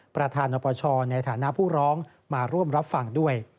ประธานนปชในฐานะผู้ร้องมาร่วมรับฟังด้วย